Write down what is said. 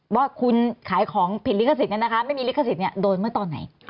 ว่าคุณขายของผิดลิขสิทธิ์ไม่มีลิขสิทธิ์โดนเมื่อตอนไหน